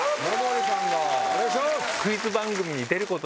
お願いします！